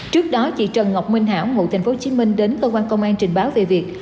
trước đó chị trần ngọc minh hão ngụ tp hcm đến cơ quan công an trình báo về việc